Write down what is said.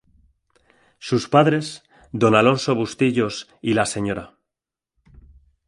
Sus padres, Don Alonso Bustillos y la Sra.